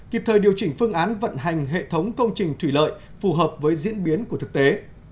kịp thời điều chỉnh phương án vận hành hệ thống công trình thủy lợi phù hợp với diễn biến của thực tế